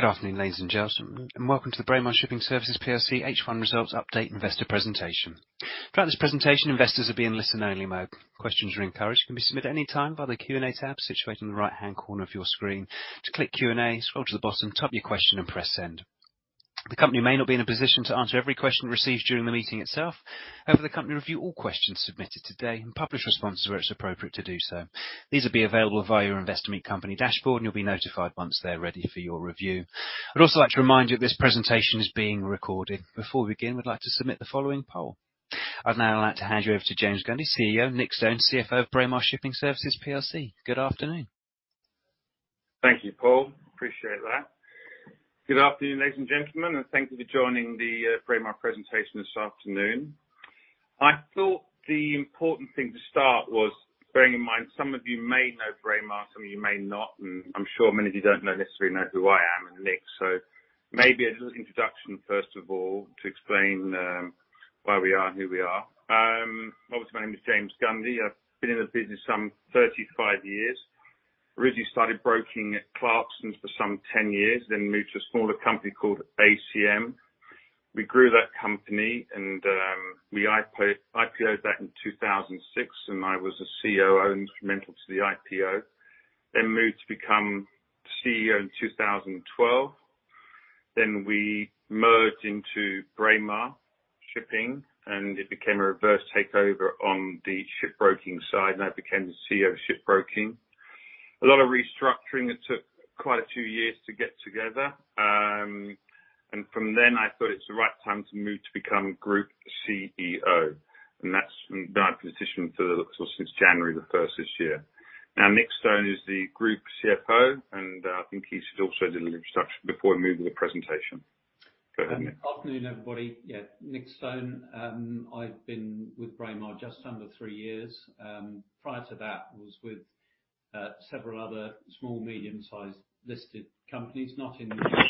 Good afternoon, ladies and gentlemen, and welcome to the Braemar Shipping Services Plc H1 Results Update Investor Presentation. Throughout this presentation, investors will be in listen-only mode. Questions are encouraged and can be submitted any time by the Q&A tab situated in the right-hand corner of your screen. Just click Q&A, scroll to the bottom, type your question and press Send. The company may not be in a position to answer every question received during the meeting itself. However, the company will review all questions submitted today and publish responses where it's appropriate to do so. These will be available via your Investor Meet Company dashboard, and you'll be notified once they're ready for your review. I'd also like to remind you that this presentation is being recorded. Before we begin, we'd like to submit the following poll. I'd now like to hand you over to James Gundy, Chief Executive Officer, Nick Stone, Chief Financial Officer of Braemar Shipping Services Plc. Good afternoon. Thank you, Paul. Appreciate that. Good afternoon, ladies and gentlemen, and thank you for joining the Braemar presentation this afternoon. I thought the important thing to start was bearing in mind some of you may know Braemar, some of you may not, and I'm sure many of you don't necessarily know who I am and Nick. Maybe a little introduction, first of all, to explain where we are and who we are. Obviously, my name is James Gundy. I've been in the business some 35 years. Originally started broking at Clarksons for some 10 years, then moved to a smaller company called ACM. We grew that company and we IPOed that in 2006, and I was a Chief Operations Officer and instrumental to the IPO. Moved to become Chief Financial Officer in 2012. We merged into Braemar Shipping, and it became a reverse takeover on the shipbroking side, and I became the Chief Financial Officer of shipbroking. A lot of restructuring. It took quite a few years to get together. From then I thought it's the right time to move to become Group Chief Financial Officer, and that's been my position since January the first this year. Now, Nick Stone is the Group Chief Financial Officer, and I think he should also do an introduction before we move to the presentation. Go ahead, Nick. Afternoon, everybody. Yeah, Nick Stone. I've been with Braemar just under three years. Prior to that, I was with several other small medium-sized listed companies, not in the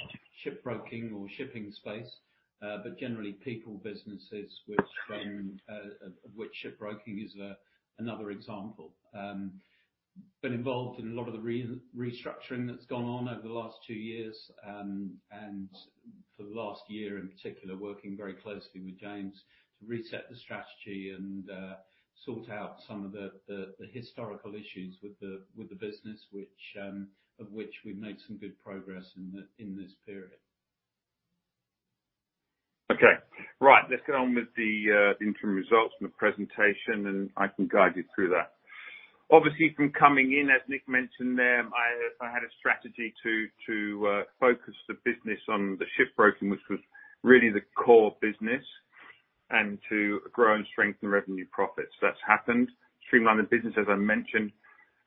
shipbroking or shipping space, but generally people businesses which shipbroking is another example. I've been involved in a lot of the restructuring that's gone on over the last two years, and for the last year, in particular, working very closely with James to reset the strategy and sort out some of the historical issues with the business which we've made some good progress in this period. Okay. Right. Let's get on with the interim results and the presentation, and I can guide you through that. Obviously, from coming in, as Nick mentioned there, I had a strategy to focus the business on the shipbroking, which was really the core business, and to grow and strengthen revenue profits. That's happened. Streamlined the business, as I mentioned,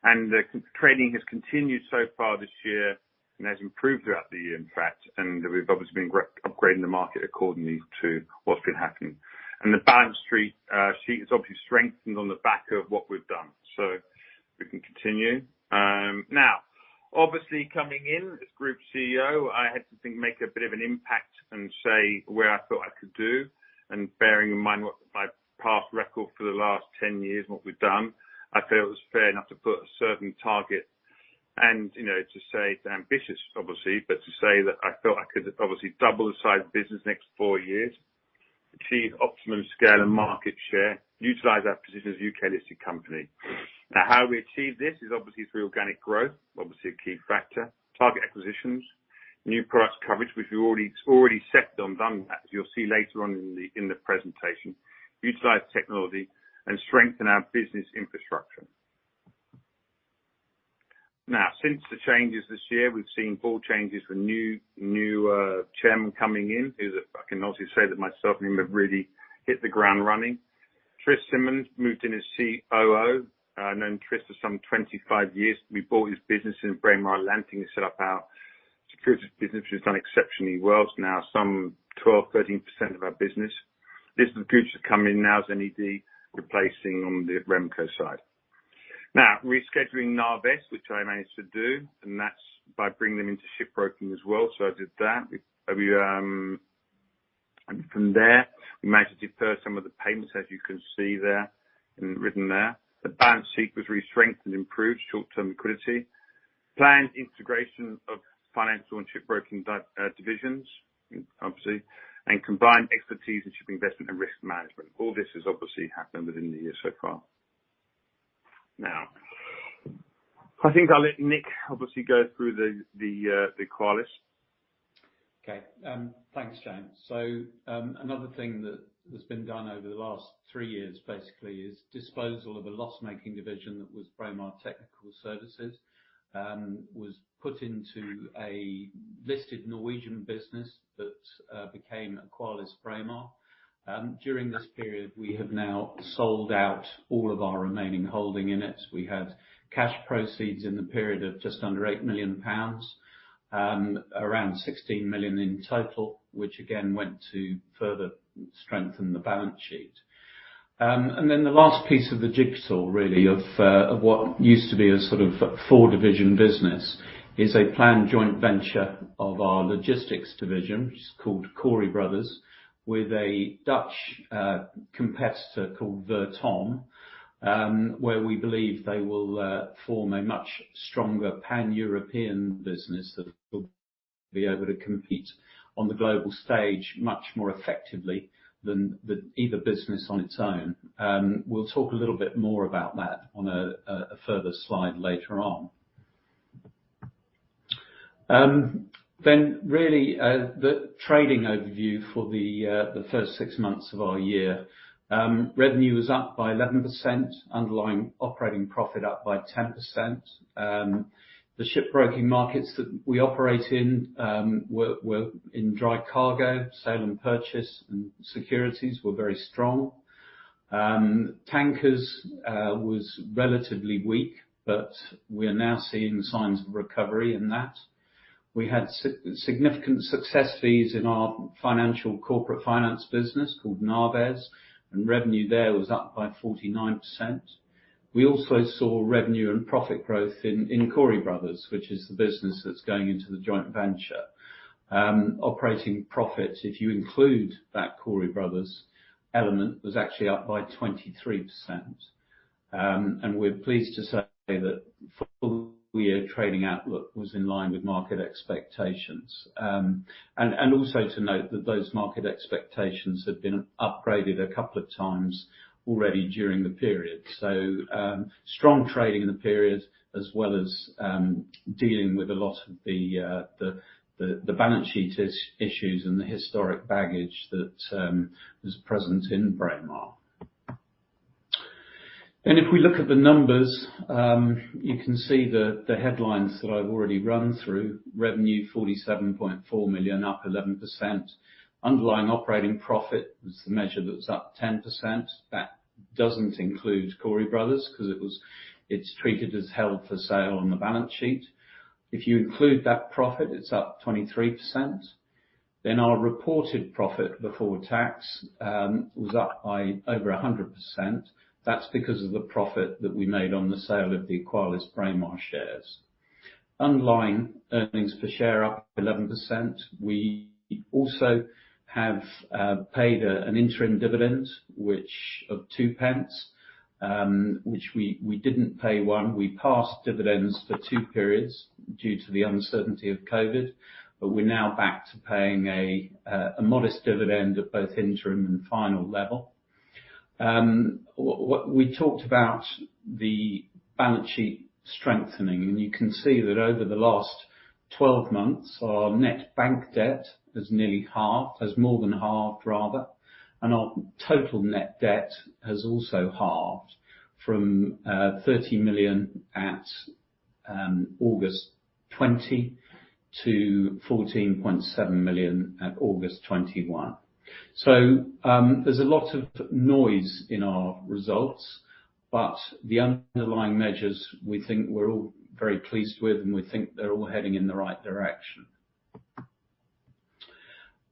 and the contracting has continued so far this year and has improved throughout the year, in fact, and we've obviously been updating the market accordingly to what's been happening. The balance sheet has obviously strengthened on the back of what we've done. We can continue. Now, obviously, coming in as Group Chief Executive Officer, I had to think, make a bit of an impact and say where I thought I could do, and bearing in mind what my past record for the last 10 years, what we've done, I felt it was fair enough to put a certain target and, you know, to say it's ambitious, obviously, but to say that I felt I could obviously double the size of the business the next four years, achieve optimum scale and market share, utilize our position as a U.K.-listed company. Now, how we achieve this is obviously through organic growth, obviously a key factor, target acquisitions, new products coverage, which we already set on doing that, as you'll see later on in the presentation. Utilize technology and strengthen our business infrastructure. Now, since the changes this year, we've seen board changes with a new chairman coming in, who's. I can obviously say that myself and him have really hit the ground running. Tristram Simmonds moved in as Chief Operations Officer. I've known Tristram for some 25 years. We bought his business in Braemar Naves and set up our securities business, which has done exceptionally well. It's now some 12, 13% of our business. Lisa Gooch has come in now as Non-Executive Director, replacing on the Remco side. Now, restructuring Naves, which I managed to do, and that's by bringing them into shipbroking as well. I did that. We managed to defer some of the payments, as you can see there, written there. The balance sheet was re-strengthened, improved short-term liquidity, planned integration of financial and shipbroking divisions, obviously, and combined expertise in shipping investment and risk management. All this has obviously happened within the year so far. Now, I think I'll let Nick obviously go through the Aqualis. Thanks, James. Another thing that has been done over the last three years, basically, is disposal of a loss-making division that was Braemar Technical Services, which was put into a listed Norwegian business that became AqualisBraemar. During this period, we have now sold out all of our remaining holding in it. We had cash proceeds in the period of just under 8 million pounds, around 16 million in total, which again went to further strengthen the balance sheet. The last piece of the jigsaw really of what used to be a sort of four-division business is a planned joint venture of our logistics division, which is called Cory Brothers, with a Dutch competitor called Vertom, where we believe they will form a much stronger Pan-European business that will be able to compete on the global stage much more effectively than either business on its own. We'll talk a little bit more about that on a further slide later on. The trading overview for the first six months of our year, revenue was up by 11%, underlying operating profit up by 10%. The shipbroking markets that we operate in were in dry cargo, sale and purchase, and securities were very strong. Tankers was relatively weak, but we are now seeing signs of recovery in that. We had significant success fees in our financial corporate finance business called Naves, and revenue there was up by 49%. We also saw revenue and profit growth in Cory Brothers, which is the business that's going into the joint venture. Operating profits, if you include that Cory Brothers element, was actually up by 23%. We're pleased to say that full year trading outlook was in line with market expectations. And also to note that those market expectations have been upgraded a couple of times already during the period. Strong trading in the period as well as dealing with a lot of the balance sheet issues and the historic baggage that is present in Braemar. If we look at the numbers, you can see the headlines that I've already run through. Revenue 47.4 million, up 11%. Underlying operating profit was the measure that's up 10%. That doesn't include Cory Brothers 'cause it was treated as held for sale on the balance sheet. If you include that profit, it's up 23%. Our reported profit before tax was up by over 100%. That's because of the profit that we made on the sale of the AqualisBraemar shares. Underlying earnings per share up 11%. We also have paid an interim dividend which is 0.02, which we didn't pay one. We passed dividends for two periods due to the uncertainty of COVID, but we're now back to paying a modest dividend at both interim and final level. We talked about the balance sheet strengthening, and you can see that over the last 12 months, our net bank debt has nearly halved, has more than halved, rather. Our total net debt has also halved from 30 million at August 2020 to 14.7 million at August 2021. There's a lot of noise in our results, but the underlying measures we think we're all very pleased with, and we think they're all heading in the right direction.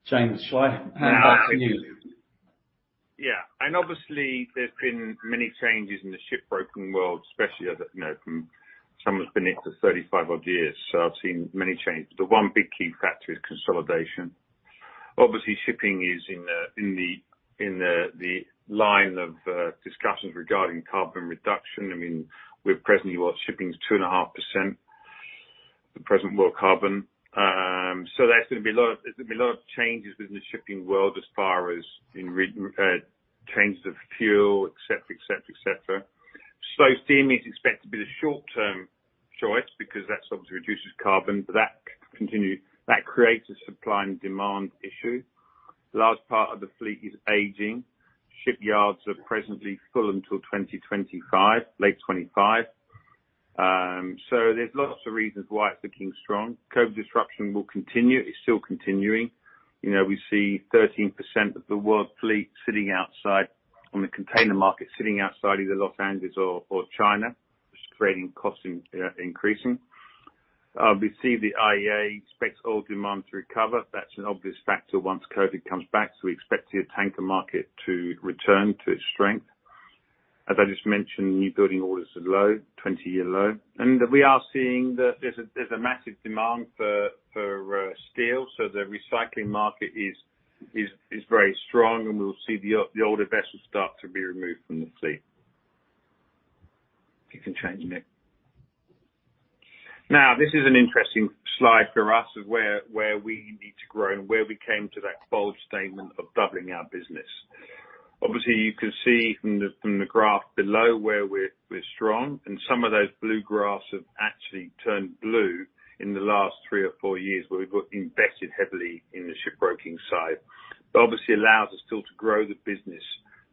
Change the slide. Back to you. Yeah. Obviously there's been many changes in the shipbroking world, especially as I know from someone who's been in it for 35-odd years, so I've seen many changes. The one big key factor is consolidation. Obviously, shipping is in the line of discussions regarding carbon reduction. I mean, world shipping is 2.5% of the present world carbon. There's gonna be a lot of changes within the shipping world as far as changes of fuel, et cetera. CME is expected to be the short term choice because that obviously reduces carbon, but that creates a supply and demand issue. Large part of the fleet is aging. Shipyards are presently full until 2025, late 2025. There's lots of reasons why it's looking strong. COVID disruption will continue. It's still continuing. You know, we see 13% of the world fleet sitting outside the container market, either Los Angeles or China. It's creating increasing costs. We see the IEA expects oil demand to recover. That's an obvious factor once COVID comes back. We expect the tanker market to return to its strength. As I just mentioned, new building orders are low, 20-year low. We are seeing that there's a massive demand for steel. The recycling market is very strong, and we'll see the older vessels start to be removed from the fleet. If you can change, Nick. Now, this is an interesting slide for us of where we need to grow and where we came to that bold statement of doubling our business. Obviously, you can see from the graph below where we're strong and some of those blue graphs have actually turned blue in the last three or four years, where we've invested heavily in the shipbroking side. Obviously allows us still to grow the business,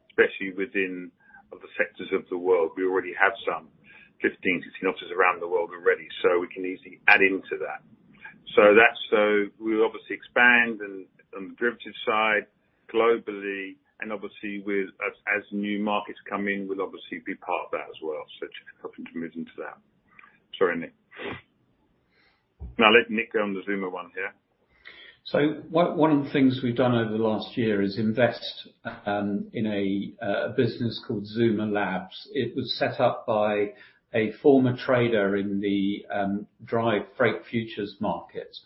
especially within other sectors of the world. We already have some 15, 16 offices around the world already, so we can easily add into that. We obviously expand on the derivatives side globally and obviously with as new markets come in, we'll obviously be part of that as well. Looking to move into that. Sorry, Nick. No, I'll let Nick go on the Zuma one here. One of the things we've done over the last year is invest in a business called Zuma Labs. It was set up by a former trader in the dry freight futures market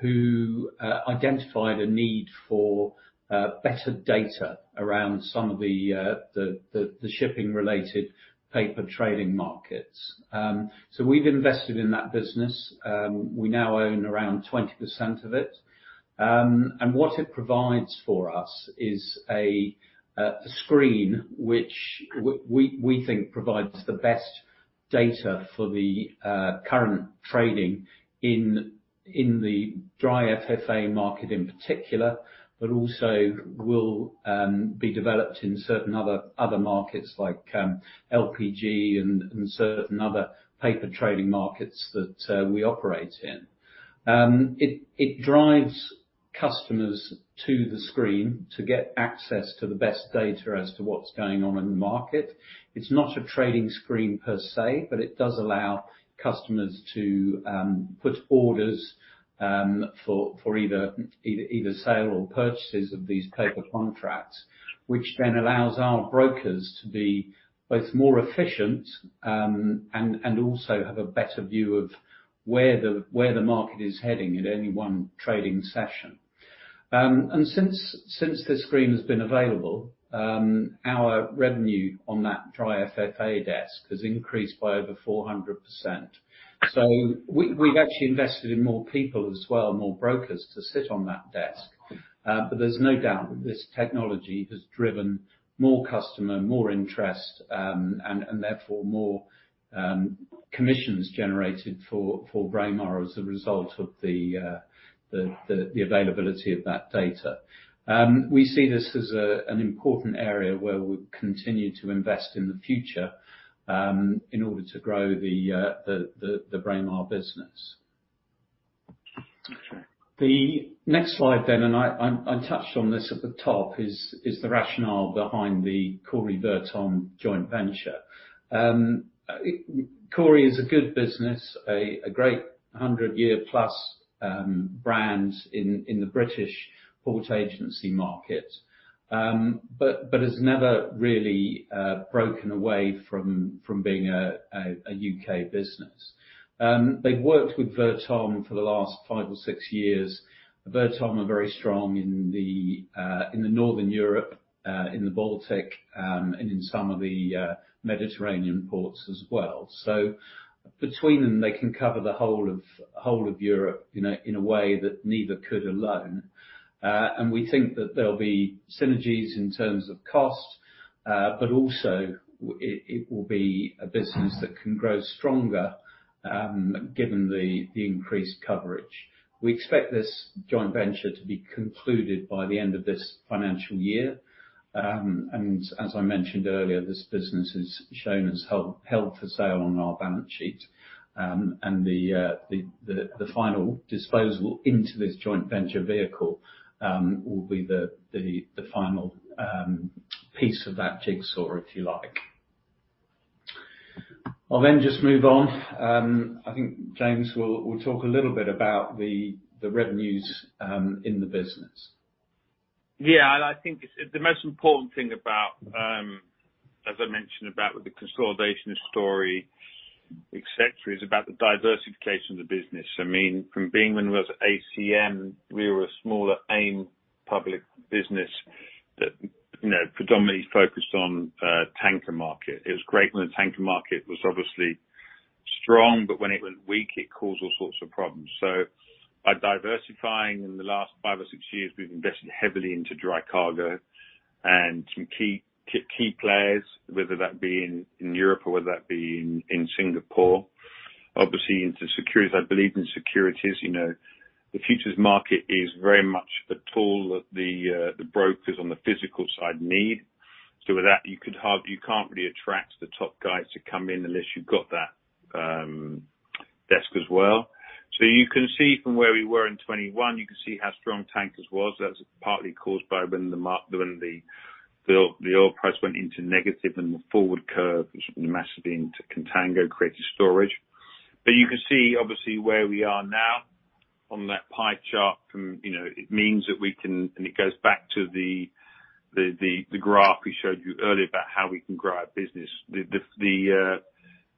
who identified a need for better data around some of the the shipping related paper trading markets. We've invested in that business. We now own around 20% of it. What it provides for us is a screen which we think provides the best data for the current trading in the dry FFA market in particular, but also will be developed in certain other markets like LPG and certain other paper trading markets that we operate in. It drives customers to the screen to get access to the best data as to what's going on in the market. It's not a trading screen per se, but it does allow customers to put orders for either sale or purchases of these paper contracts, which then allows our brokers to be both more efficient and also have a better view of where the market is heading at any one trading session. Since this screen has been available, our revenue on that dry FFA desk has increased by over 400%. We've actually invested in more people as well, more brokers to sit on that desk. There's no doubt that this technology has driven more customer, more interest, and therefore more commissions generated for Braemar as a result of the availability of that data. We see this as an important area where we continue to invest in the future in order to grow the Braemar business. Okay. The next slide, I touched on this at the top, is the rationale behind the Cory-Vertom joint venture. Cory is a good business, a great 100-year-plus brand in the British port agency market but has never really broken away from being a U.K. business. They've worked with Vertom for the last five or six years. Vertom are very strong in northern Europe, in the Baltic, and in some of the Mediterranean ports as well. Between them, they can cover the whole of Europe, you know, in a way that neither could alone. We think that there'll be synergies in terms of cost, but also it will be a business that can grow stronger, given the increased coverage. We expect this joint venture to be concluded by the end of this financial year. As I mentioned earlier, this business is shown as held for sale on our balance sheet. The final disposal into this joint venture vehicle will be the final piece of that jigsaw, if you like. I'll just move on. I think James Gundy will talk a little bit about the revenues in the business. Yeah. I think it's the most important thing about, as I mentioned about with the consolidation story, et cetera, is about the diversification of the business. I mean, from being when we was ACM, we were a smaller AIM public business that, you know, predominantly focused on, tanker market. It was great when the tanker market was obviously strong, but when it went weak, it caused all sorts of problems. By diversifying in the last five or six years, we've invested heavily into dry cargo and some key players, whether that be in Europe or whether that be in Singapore. Obviously into securities. I believe in securities. You know, the futures market is very much the tool that the brokers on the physical side need. With that, you could have you can't really attract the top guys to come in unless you've got that desk as well. You can see from where we were in 2021, you can see how strong tankers was. That's partly caused by when the oil price went into negative and the forward curve, which massively into contango, created storage. You can see obviously where we are now on that pie chart from, you know, it means that we can. It goes back to the graph we showed you earlier about how we can grow our business.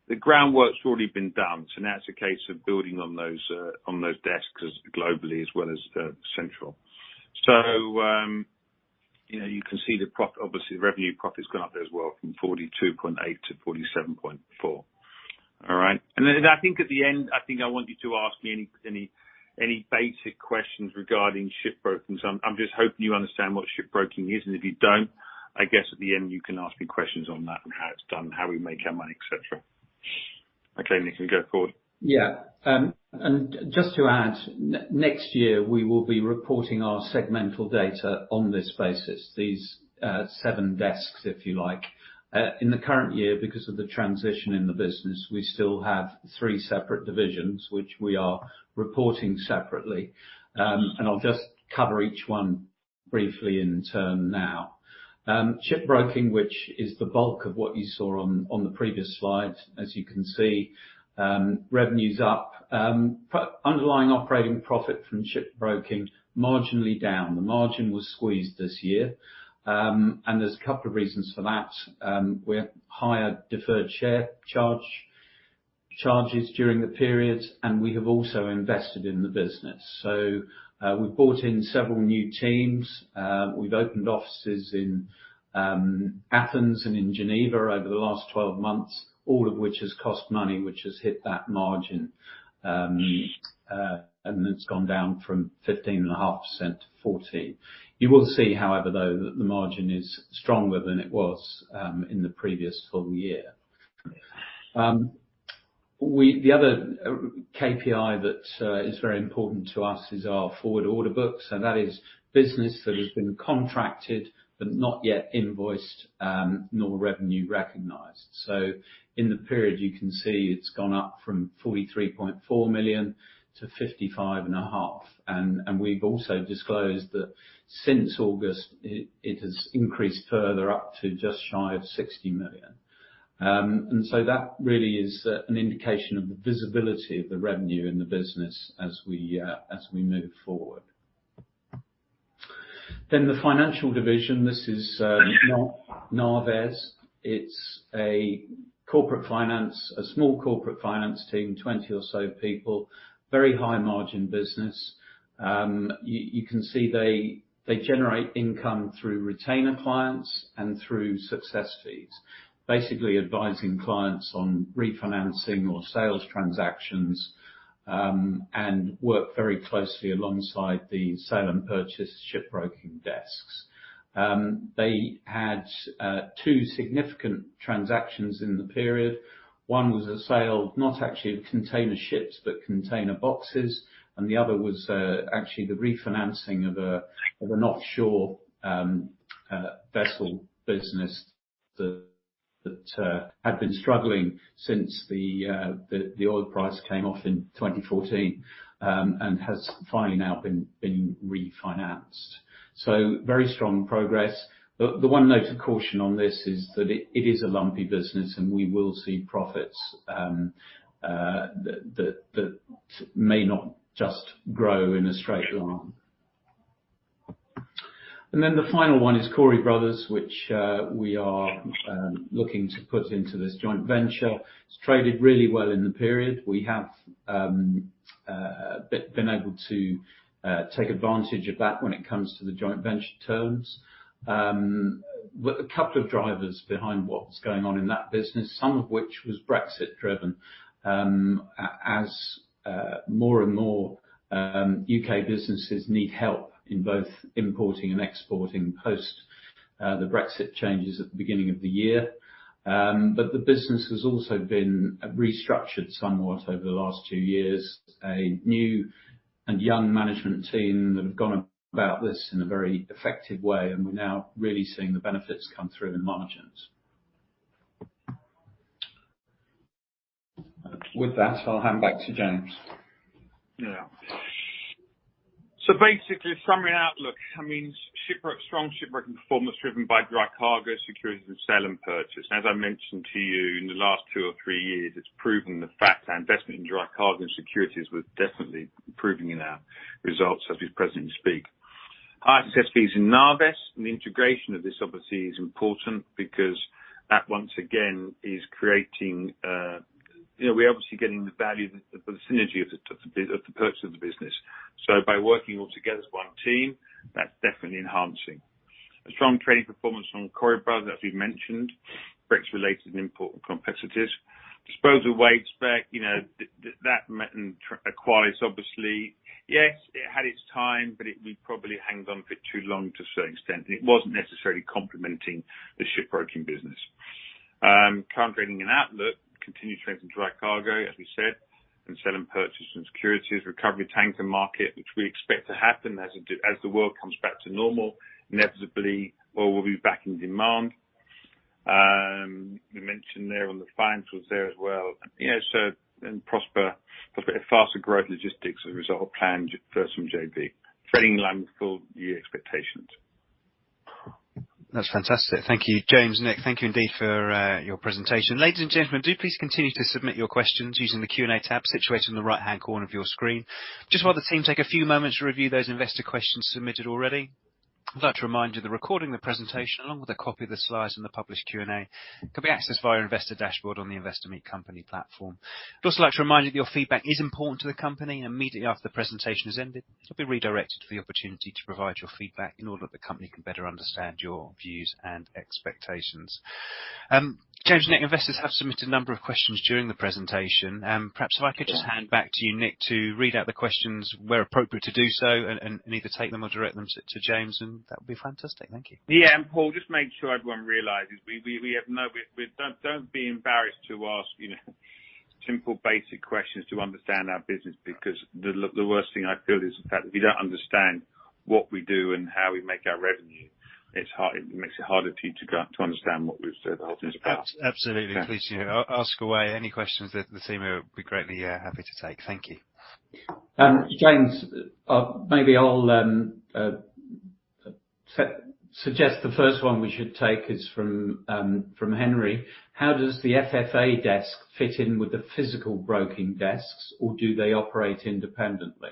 The groundwork's already been done, so now it's a case of building on those desks as globally as well as central. You can see obviously the revenue profit's gone up as well from 42.8 to 47.4. All right? I think at the end, I think I want you to ask me any basic questions regarding shipbroking. I'm just hoping you understand what shipbroking is, and if you don't, I guess at the end you can ask me questions on that and how it's done, how we make our money, et cetera. Okay, Nick, we can go forward. Just to add, next year, we will be reporting our segmental data on this basis, these seven desks, if you like. In the current year, because of the transition in the business, we still have three separate divisions, which we are reporting separately. I'll just cover each one briefly in turn now. Shipbroking, which is the bulk of what you saw on the previous slide, as you can see, revenue's up. Underlying operating profit from shipbroking marginally down. The margin was squeezed this year, and there's a couple of reasons for that. We have higher deferred share charges during the period, and we have also invested in the business. We brought in several new teams. We've opened offices in Athens and in Geneva over the last 12 months, all of which has cost money, which has hit that margin. It's gone down from 15.5%-14%. You will see, however, though, that the margin is stronger than it was in the previous full year. The other KPI that is very important to us is our forward order book. That is business that has been contracted but not yet invoiced nor revenue recognized. In the period, you can see it's gone up from 43.4 million to 55.5 million. We've also disclosed that since August, it has increased further up to just shy of 60 million. That really is an indication of the visibility of the revenue in the business as we move forward. The financial division, this is Naves. It's a corporate finance, a small corporate finance team, 20 or so people. Very high margin business. You can see they generate income through retainer clients and through success fees. Basically advising clients on refinancing or sales transactions and work very closely alongside the sale and purchase shipbroking desks. They had two significant transactions in the period. One was a sale, not actually of container ships, but container boxes, and the other was actually the refinancing of an offshore vessel business that had been struggling since the oil price came off in 2014, and has finally now been refinanced. Very strong progress. The one note of caution on this is that it is a lumpy business, and we will see profits that may not just grow in a straight line. The final one is Cory Brothers, which we are looking to put into this joint venture. It's traded really well in the period. We have been able to take advantage of that when it comes to the joint venture terms. A couple of drivers behind what's going on in that business, some of which was Brexit driven, as more and more U.K. businesses need help in both importing and exporting post the Brexit changes at the beginning of the year. The business has also been restructured somewhat over the last two years. A new and young management team that have gone about this in a very effective way, and we're now really seeing the benefits come through in margins. With that, I'll hand back to James. Yeah. Basically, summary outlook. That means strong shipbroking performance driven by dry cargo and S&P. As I mentioned to you, in the last two or three years, it's proven the fact our investment in dry cargo and S&P was definitely improving in our results, as we speak. High success fees in Naves, and the integration of this obviously is important because that once again is creating, we're obviously getting the value, the synergy of the purchase of the business. By working all together as one team, that's definitely enhancing. A strong trading performance from Cory Brothers, as we've mentioned. Brexit-related and import competitors. Disposal of Wavespec, that meant in acquiring, obviously. Yes, it had its time, but it, we probably hung on for too long to a certain extent. It wasn't necessarily complementing the shipbroking business. Current trading and outlook. Continued strength in dry cargo, as we said, and sale and purchase and securities. Recovery tanker market, which we expect to happen as the world comes back to normal. Inevitably, oil will be back in demand. We mentioned there on the financials there as well. You know, prospects, a bit faster growth in logistics as a result of planned first fruits from the JV. Trading in line with full-year expectations. That's fantastic. Thank you, James, Nick, thank you indeed for your presentation. Ladies and gentlemen, do please continue to submit your questions using the Q&A tab situated in the right hand corner of your screen. Just while the team take a few moments to review those investor questions submitted already, I'd like to remind you, the recording of the presentation, along with a copy of the slides and the published Q&A, can be accessed via Investor Dashboard on the Investor Meet Company platform. I'd also like to remind you that your feedback is important to the company. Immediately after the presentation has ended, you'll be redirected to the opportunity to provide your feedback in order that the company can better understand your views and expectations. James and Nick, investors have submitted a number of questions during the presentation. Perhaps if I could just hand back to you, Nick, to read out the questions where appropriate to do so and either take them or direct them to James, and that would be fantastic. Thank you. Paul, just make sure everyone realizes we don't be embarrassed to ask, you know, simple basic questions to understand our business because the worst thing I feel is the fact that we don't understand what we do and how we make our revenue. It makes it harder for you to understand what we've said the whole thing about. Ab-absolutely. Thanks. Please, you know, ask away any questions that the team here will be greatly happy to take. Thank you. James, maybe I'll suggest the first one we should take is from Henry. How does the FFA desk fit in with the physical broking desks, or do they operate independently?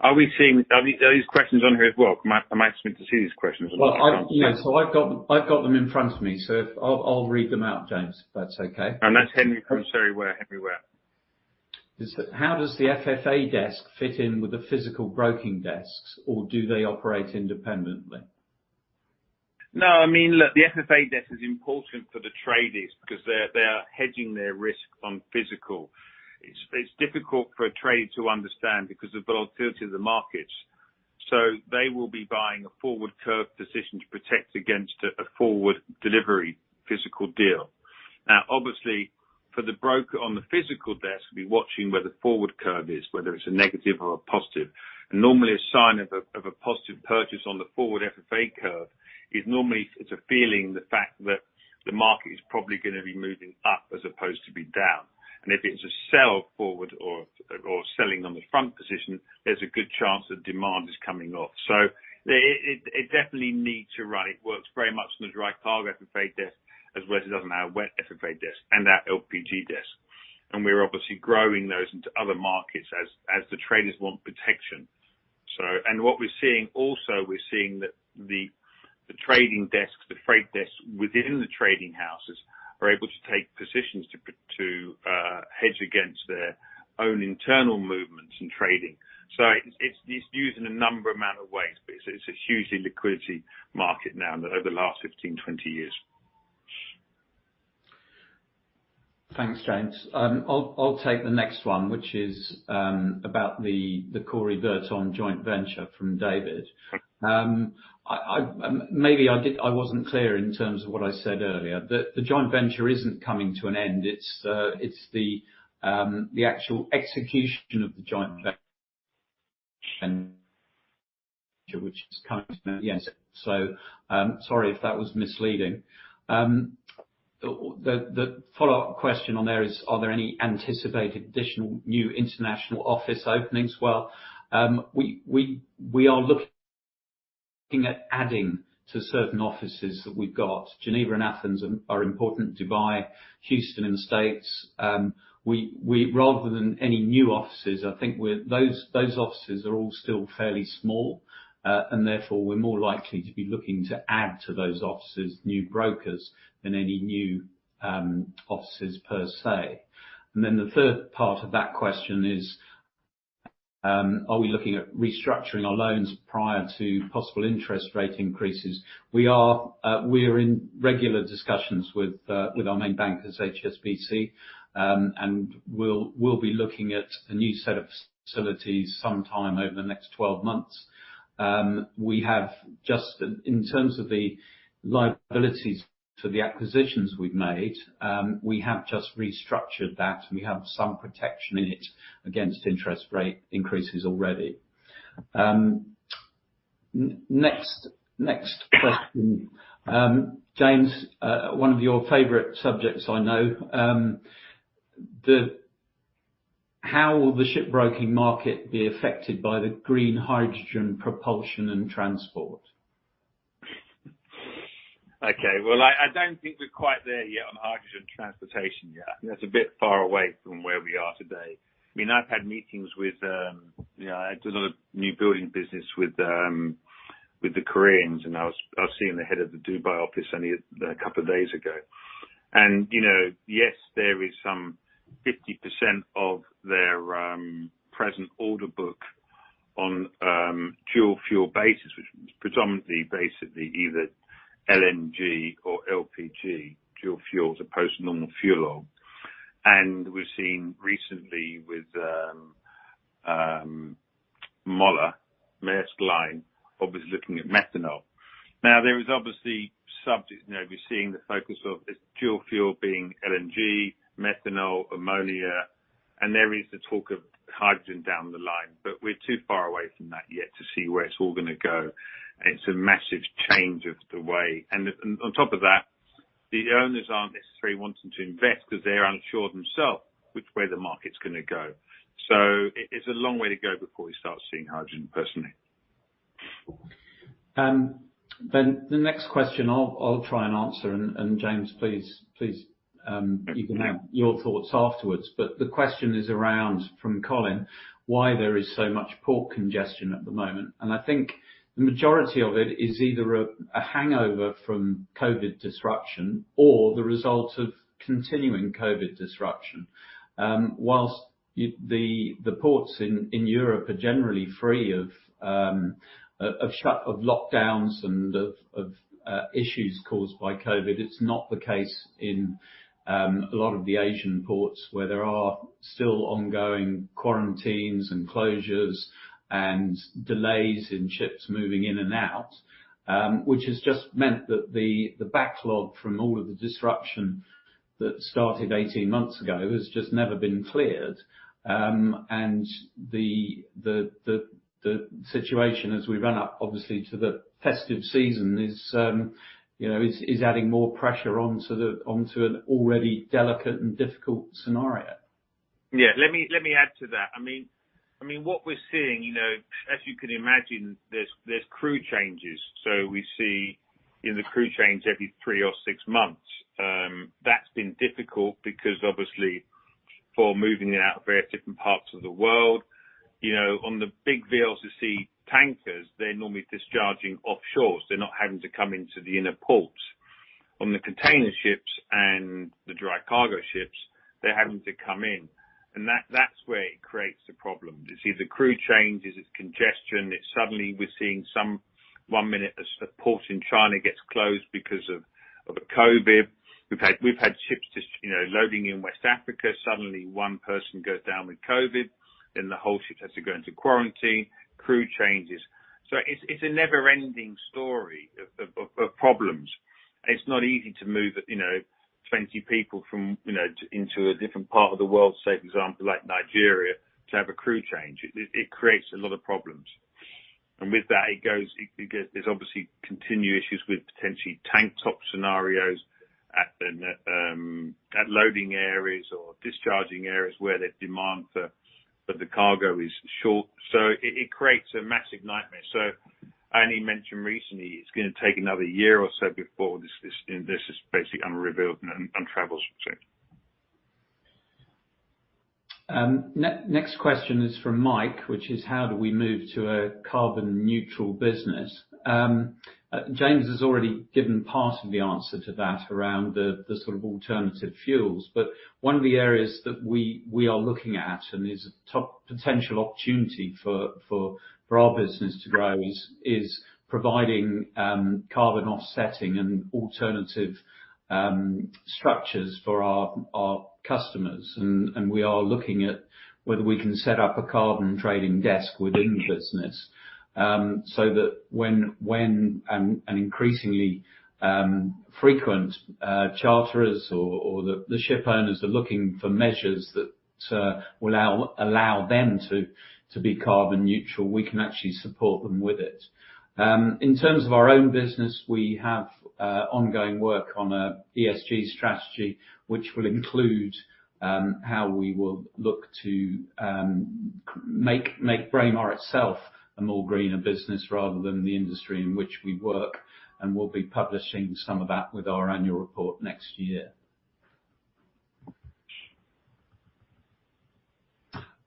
Are these questions on here as well? Am I expected to see these questions as well? Well, yeah. I've got them in front of me, so if I'll read them out, James, if that's okay. That's Henry from Cherry Wares. Henry Wares. Is that, how does the FFA desk fit in with the physical broking desks, or do they operate independently? No, I mean, look, the FFA desk is important for the traders because they're hedging their risk on physical. It's difficult for a trader to understand because of the volatility of the markets. They will be buying a forward curve position to protect against a forward delivery physical deal. Now, obviously, for the broker on the physical desk, he'll be watching where the forward curve is, whether it's a negative or a positive. Normally a sign of a positive purchase on the forward FFA curve is normally, it's a feeling the fact that the market is probably gonna be moving up as opposed to be down. If it's a sell forward or selling on the front position, there's a good chance that demand is coming off. It definitely needs to run. It works very much in the dry cargo FFA desk, as well as it does on our wet FFA desk and our LPG desk. We're obviously growing those into other markets as the traders want protection. What we're seeing also, that the trading desks, the freight desks within the trading houses are able to take positions to hedge against their own internal movements in trading. It's used in a number of ways, but it's a hugely liquid market now than over the last 15, 20 years. Thanks, James. I'll take the next one, which is about the Cory Brothers joint venture from David. I wasn't clear in terms of what I said earlier. The joint venture isn't coming to an end. It's the actual execution of the joint venture which is coming to an end. Sorry if that was misleading. The follow-up question on there is, are there any anticipated additional new international office openings? Well, we are looking at adding to certain offices that we've got. Geneva and Athens are important. Dubai, Houston in the States. Rather than any new offices, I think we're... Those offices are all still fairly small, and therefore, we're more likely to be looking to add to those offices new brokers than any new offices per se. Then the third part of that question is, are we looking at restructuring our loans prior to possible interest rate increases? We are in regular discussions with our main bank as HSBC. And we'll be looking at a new set of facilities sometime over the next 12 months. In terms of the liabilities for the acquisitions we've made, we have just restructured that, and we have some protection in it against interest rate increases already. Next question. James, one of your favorite subjects, I know. How will the shipbroking market be affected by the green hydrogen propulsion and transport? Okay. Well, I don't think we're quite there yet on hydrogen transportation yet. That's a bit far away from where we are today. I mean, I've had meetings with, you know, I did a lot of new building business with the Koreans, and I was seeing the head of the Dubai office only a couple of days ago. You know, yes, there is some 50% of their present order book on dual fuel basis, which is predominantly basically either LNG or LPG dual fuel as opposed to normal fuel oil. We're seeing recently with A.P. Moller-Maersk, obviously looking at methanol. Now, there is obviously subjects. You know, we're seeing the focus of this dual fuel being LNG, methanol, ammonia, and there is the talk of hydrogen down the line, but we're too far away from that yet to see where it's all gonna go. It's a massive change of the way. On top of that, the owners aren't necessarily wanting to invest because they're unsure themselves which way the market's gonna go. It's a long way to go before we start seeing hydrogen, personally. The next question I'll try and answer, and James, please, you can add your thoughts afterwards. The question is around, from Colin, why there is so much port congestion at the moment. I think the majority of it is either a hangover from COVID disruption or the result of continuing COVID disruption. While the ports in Europe are generally free of lockdowns and issues caused by COVID, it's not the case in a lot of the Asian ports where there are still ongoing quarantines and closures and delays in ships moving in and out, which has just meant that the backlog from all of the disruption that started 18 months ago has just never been cleared. The situation as we run up obviously to the festive season is, you know, adding more pressure onto an already delicate and difficult scenario. Yeah, let me add to that. I mean, what we're seeing, you know, as you can imagine, there's crew changes. So we see, you know, the crew change every three or six months. That's been difficult because obviously for moving it out various different parts of the world. You know, on the big VLCC tankers, they're normally discharging offshores. They're not having to come into the inner ports. On the container ships and the dry cargo ships, they're having to come in, and that's where it creates the problem. You see the crew changes, it's congestion, it's suddenly we're seeing some. One minute a port in China gets closed because of COVID. We've had ships just, you know, loading in West Africa. Suddenly one person goes down with COVID, then the whole ship has to go into quarantine, crew changes. It's a never ending story of problems. It's not easy to move, you know, 20 people from, you know, into a different part of the world, say for example, like Nigeria, to have a crew change. It creates a lot of problems. With that it goes. There's obviously continued issues with potentially tank top scenarios at loading areas or discharging areas where the demand for the cargo is short. It creates a massive nightmare. Annie mentioned recently it's gonna take another year or so before this is basically unrevealed and untraveled. Next question is from Mike, which is how do we move to a carbon neutral business? James has already given part of the answer to that around the sort of alternative fuels. One of the areas that we are looking at and is a top potential opportunity for our business to grow is providing carbon offsetting and alternative structures for our customers. We are looking at whether we can set up a carbon trading desk within the business so that when an increasingly frequent charterers or the ship owners are looking for measures that will allow them to be carbon neutral, we can actually support them with it. In terms of our own business, we have ongoing work on an ESG strategy, which will include how we will look to make Braemar itself a more greener business rather than the industry in which we work. We'll be publishing some of that with our annual report next year.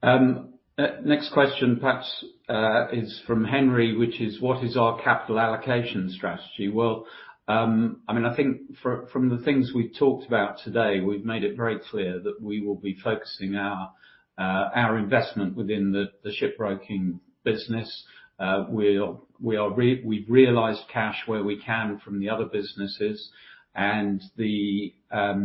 Next question perhaps is from Henry, which is what is our capital allocation strategy? Well, I mean, I think from the things we've talked about today, we've made it very clear that we will be focusing our investment within the shipbroking business. We've realized cash where we can from the other businesses and the chart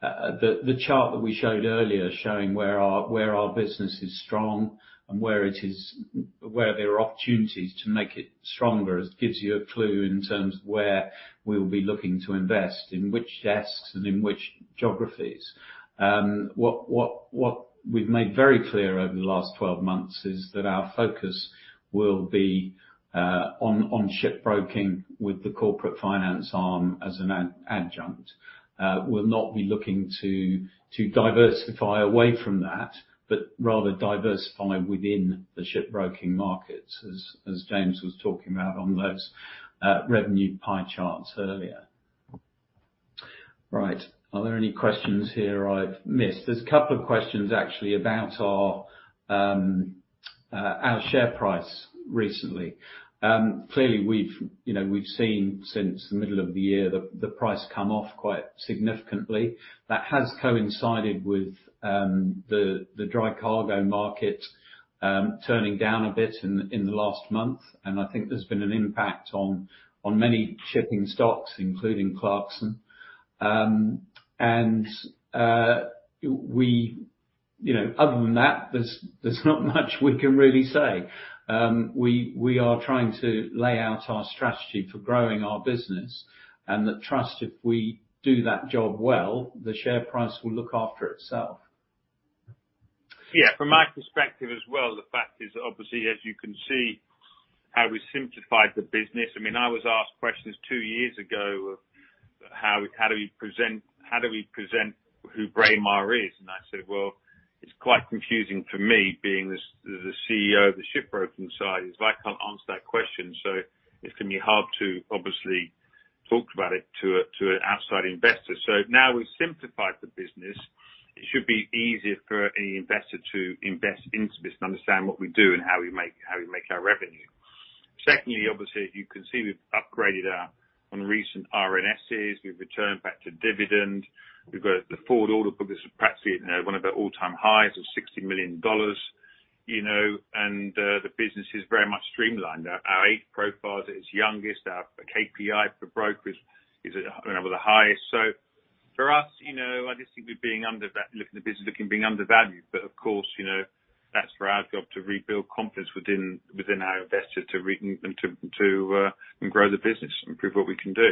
that we showed earlier showing where our business is strong and where there are opportunities to make it stronger. It gives you a clue in terms of where we'll be looking to invest, in which desks and in which geographies. What we've made very clear over the last 12 months is that our focus will be on shipbroking with the corporate finance arm as an adjunct. We'll not be looking to diversify away from that, but rather diversify within the shipbroking markets as James was talking about on those revenue pie charts earlier. Right. Are there any questions here I've missed? There's a couple of questions actually about our share price recently. Clearly we've, you know, we've seen since the middle of the year, the price come off quite significantly. That has coincided with the dry cargo market turning down a bit in the last month. I think there's been an impact on many shipping stocks, including Clarksons. We, you know, other than that, there's not much we can really say. We are trying to lay out our strategy for growing our business, and trust that if we do that job well, the share price will look after itself. Yeah, from my perspective as well, the fact is obviously as you can see how we simplified the business. I mean, I was asked questions two years ago of how do we present who Braemar is? I said, Well, it's quite confusing for me being the Chief Executive Officer of the shipbroking side, is if I can't answer that question, so it's gonna be hard to obviously talk about it to an outside investor. Now we've simplified the business, it should be easier for any investor to invest into this and understand what we do and how we make our revenue. Secondly, obviously you can see we've upgraded our, on recent RNSs, we've returned back to dividend. We've got the forward order book is perhaps at, you know, one of the all-time highs of $60 million, you know, and the business is very much streamlined. Our age profile is its youngest. Our KPI for brokers is at, you know, one of the highest. For us, you know, I just think we're being undervalued, but of course, you know, that's our job to rebuild confidence within our investors and to grow the business and prove what we can do.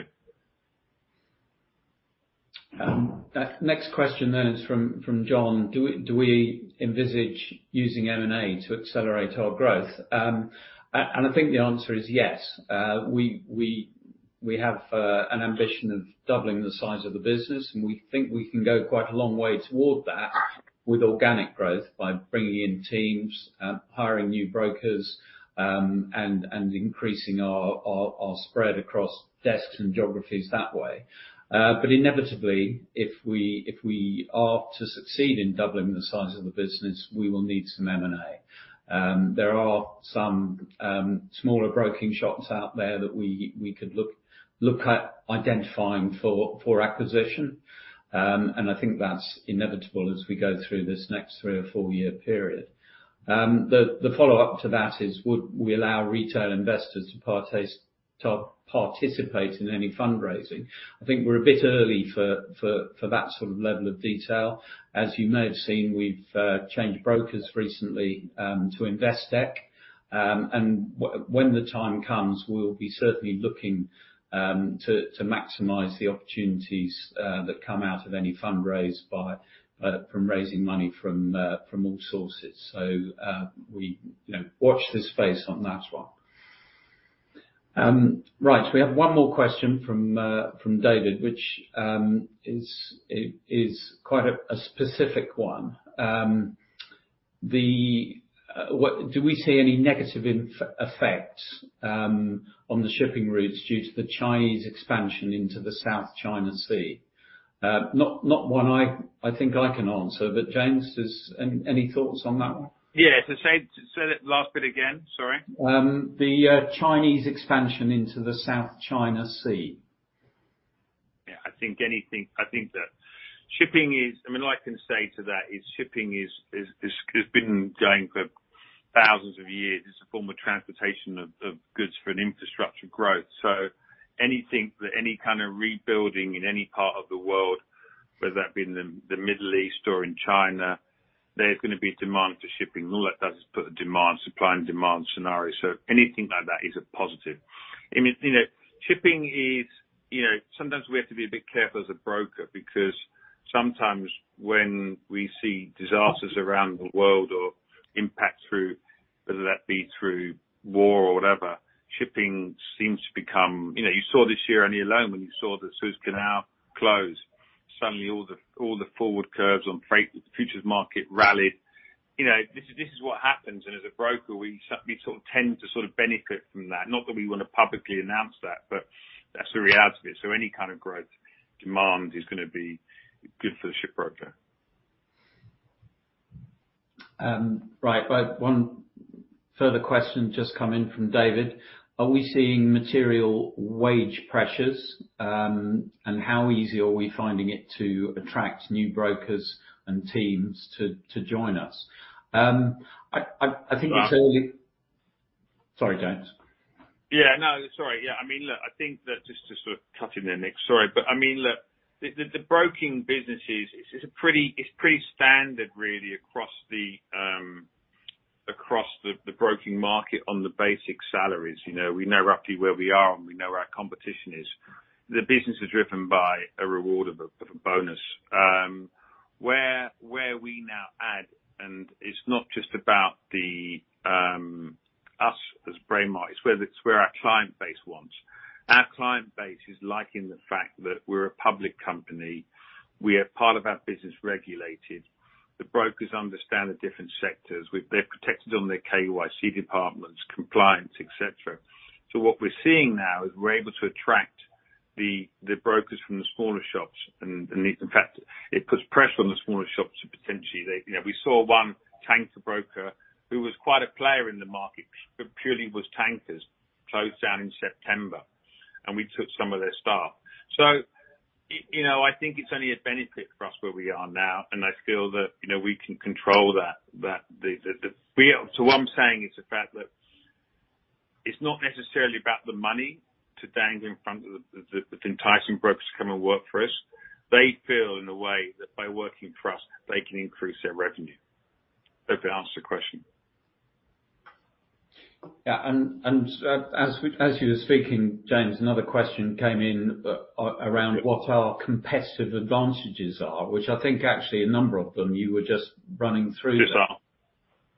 Next question is from John. Do we envisage using M&A to accelerate our growth? I think the answer is yes. We have an ambition of doubling the size of the business, and we think we can go quite a long way toward that with organic growth by bringing in teams, hiring new brokers, and increasing our spread across desks and geographies that way. Inevitably, if we are to succeed in doubling the size of the business, we will need some M&A. There are some smaller broking shops out there that we could look at identifying for acquisition, and I think that's inevitable as we go through this next three- or four-year period. The follow-up to that is would we allow retail investors to participate in any fundraising? I think we're a bit early for that sort of level of detail. As you may have seen, we've changed brokers recently to Investec. And when the time comes, we'll be certainly looking to maximize the opportunities that come out of any fund raise by raising money from all sources. You know, watch this space on that one. Right. We have one more question from David, which is quite a specific one. Do we see any negative effects on the shipping routes due to the Chinese expansion into the South China Sea? Not one I think I can answer, but James, is there any thoughts on that one? Yeah. Say it, say that last bit again. Sorry. The Chinese expansion into the South China Sea. I mean, all I can say to that is shipping has been going for thousands of years. It's a form of transportation of goods for an infrastructure growth. Anything that any kind of rebuilding in any part of the world, whether that be in the Middle East or in China, there's gonna be demand for shipping. All that does is put the demand, supply and demand scenario. Anything like that is a positive. I mean, you know, shipping is, you know, sometimes we have to be a bit careful as a broker because sometimes when we see disasters around the world or impact through, whether that be through war or whatever, shipping seems to become. You know, you saw this year only alone when you saw the Suez Canal close, suddenly all the forward curves on freight futures market rallied. You know, this is what happens, and as a broker, we sort of tend to sort of benefit from that. Not that we wanna publicly announce that, but that's the reality of it. Any kind of growth demand is gonna be good for the shipbroker. Right. One further question just come in from David. Are we seeing material wage pressures, and how easy are we finding it to attract new brokers and teams to join us? I think you said earlier. Uh- Sorry, James. Yeah. No, sorry. Yeah. I mean, look, I think that just to sort of cut in there, Nick, sorry. I mean, look, the broking business is pretty standard really across the broking market on the basic salaries. You know, we know roughly where we are and we know where our competition is. The business is driven by a reward of a bonus. Where we now add, and it's not just about us as Braemar, it's where our client base wants. Our client base is liking the fact that we're a public company. We have part of our business regulated. The brokers understand the different sectors. They're protected on their KYC departments, compliance, et cetera. What we're seeing now is we're able to attract the brokers from the smaller shops and in fact, it puts pressure on the smaller shops. You know, we saw one tanker broker who was quite a player in the market, but purely was tankers, closed down in September, and we took some of their staff. You know, I think it's only a benefit for us where we are now, and I feel that, you know, we can control that. What I'm saying is the fact that it's not necessarily about the money to dangle in front of the. It's enticing brokers to come and work for us. They feel in a way that by working for us, they can increase their revenue. Hope that answers the question. Yeah, as you were speaking, James, another question came in around what our competitive advantages are, which I think actually a number of them you were just running through there. Yes, sir.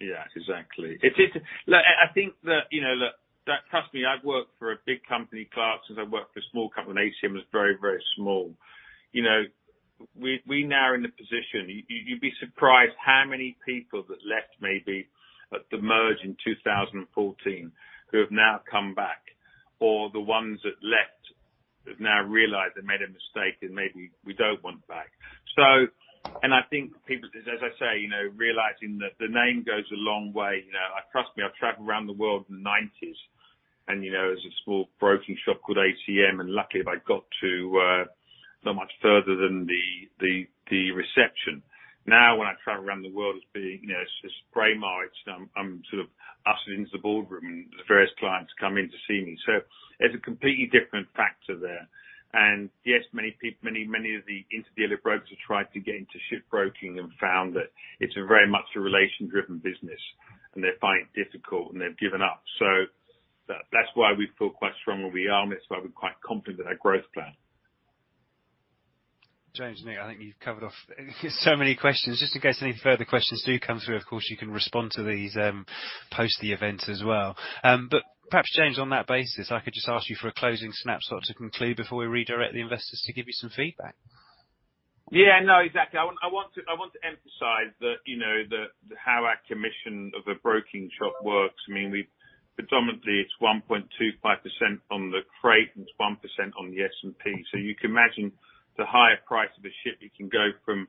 Yeah, exactly. Look, I think that, you know, look, trust me, I've worked for a big company, Clarkson. I've worked for a small company. ACM was very, very small. You know, we now are in the position. You'd be surprised how many people that left maybe at the merge in 2014 who have now come back, or the ones that left who've now realized they made a mistake and maybe we don't want back. I think people, as I say, you know, realizing that the name goes a long way, you know. Trust me, I've traveled around the world in the 1990s and, you know, as a small broking shop called ACM, and luckily I got to not much further than the reception. Now, when I travel around the world, you know, as Braemar, I'm sort of ushered into the boardroom, and the various clients come in to see me. There's a completely different factor there. Yes, many people, many of the interdealer brokers have tried to get into ship broking and found that it's a very much a relationship-driven business, and they find it difficult, and they've given up. That's why we feel quite strong where we are, and it's why we're quite confident in our growth plan. James, Nick, I think you've covered off so many questions. Just in case any further questions do come through, of course you can respond to these, post the event as well. Perhaps James, on that basis, I could just ask you for a closing snapshot to conclude before we redirect the investors to give you some feedback. Yeah, no, exactly. I want to emphasize that, you know, how our commission of a broking shop works, I mean, we predominantly it's 1.25% on the freight and it's 1% on the S&P. You can imagine the higher price of a ship, it can go from,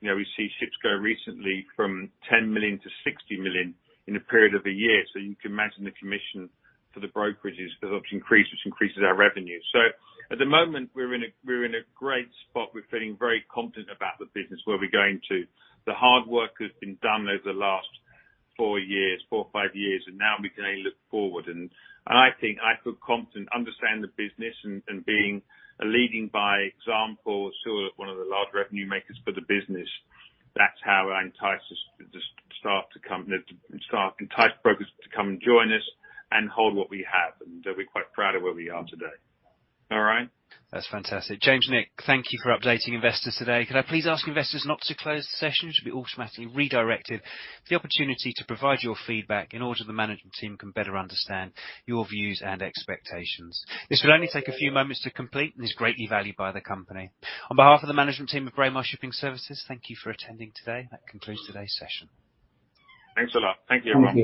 you know, we see ships go recently from $10 million to $60 million in a period of a year. You can imagine the commission for the brokerages goes up to increase, which increases our revenue. At the moment we're in a great spot. We're feeling very confident about the business, where we're going to. The hard work has been done over the last four years, four or five years, and now we can only look forward. I think I feel confident, understand the business and being leading by example. Sure, one of the large revenue makers for the business. That's how I entice the staff to come, entice brokers to come and join us and hold what we have, and we're quite proud of where we are today. All right? That's fantastic. James, Nick, thank you for updating investors today. Could I please ask investors not to close the session? You should be automatically redirected for the opportunity to provide your feedback in order that the management team can better understand your views and expectations. This will only take a few moments to complete and is greatly valued by the company. On behalf of the management team of Braemar Shipping Services, thank you for attending today. That concludes today's session. Thanks a lot. Thank you, everyone.